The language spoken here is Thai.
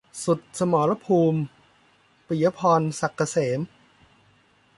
สุดสมรภูมิ - ปิยะพร ศักดิ์เกษม